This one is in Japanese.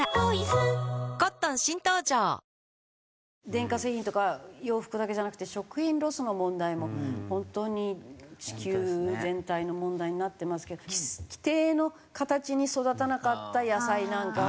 電化製品とか洋服だけじゃなくて食品ロスの問題も本当に地球全体の問題になってますけど規定の形に育たなかった野菜なんかは。